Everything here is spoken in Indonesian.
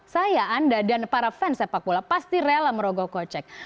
saya anda dan para fans sepak bola pasti rela merogoh kocek